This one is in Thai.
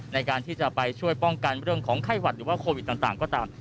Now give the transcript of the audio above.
ในการที่จะไปช่วยป้องกันเรื่องของไข้หวัดหรือว่าโควิดต่างก็ตาม